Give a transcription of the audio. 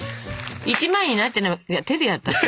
１枚になってんのは手でやったら？